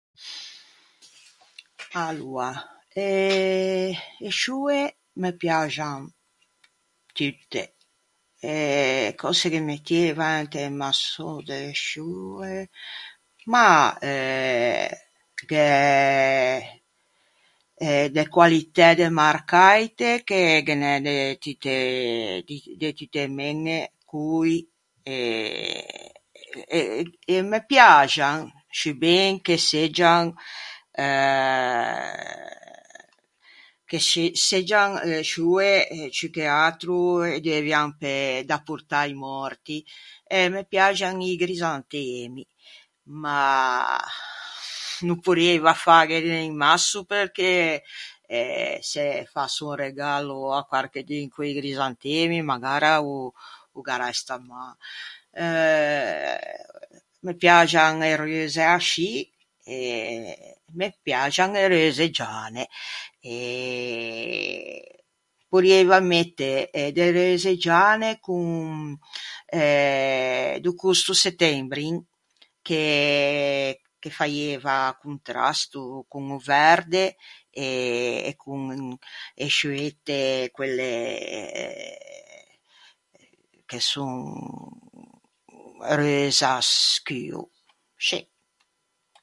Aloa, e e scioe me piaxan tutte. E cöse ghe mettieiva inte un masso de scioe? Mah, eh, gh'é, eh de qualitæ de margaite che ghe n'é de tutte, di de tutte e meñe, coî e e e me piaxan, sciben che seggian... eh, che se- seggian scioe, ciù che atro, ê deuvian pe... da portâ a-i mòrti, eh me piaxan i grisantemi, ma no porrieiva fâghene un masso perché eh se fasso un regallo à quarchedun co-i grisantemi magara o o gh'arresta mâ. Euh... me piaxan e reuse ascì, e me piaxan e reuse giane, e porrieiva mette de reuse giane con, eh... do costo settembrin, che ghe faieiva contrasto con o verde e e con e scioette, quelle... che son... reusa scuo. Scì.